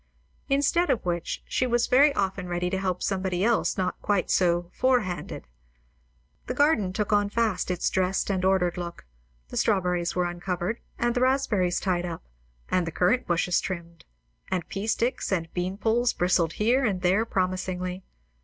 Instead of which, she was very often ready to help somebody else not quite so "forehanded." The garden took on fast its dressed and ordered look; the strawberries were uncovered; and the raspberries tied up, and the currant bushes trimmed; and pea sticks and bean poles bristled here and there promisingly.